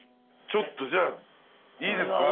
ちょっとじゃあいいですか？